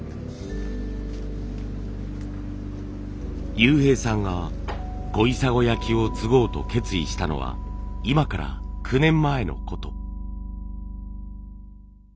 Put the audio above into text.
悠平さんが小砂焼を継ごうと決意したのは今から９年前のこと。